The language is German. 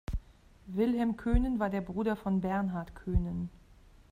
Wilhelm Koenen war der Bruder von Bernhard Koenen.